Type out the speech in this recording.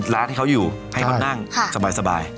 ร้านให้เขาอยู่ให้เขานั่งสบาย